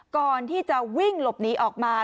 ก่อนที่จะวิ่งหลบหนีออกมา